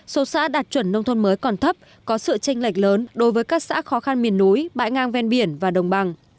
số xã đạt chuẩn nông thôn mới còn thấp có sự tranh lệch lớn đối với các xã khó khăn miền núi bãi ngang ven biển và đồng bằng